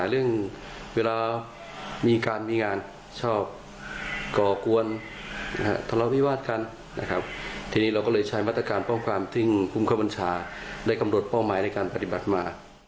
เอาฟังเสียงตำรวจค่ะ